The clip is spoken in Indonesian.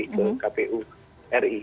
ke kpu ri